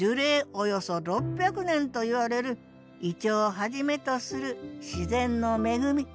およそ６００年といわれるイチョウをはじめとする自然の恵み。